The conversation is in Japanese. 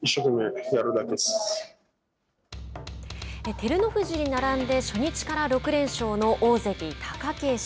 照ノ富士に並んで初日から６連勝の大関・貴景勝。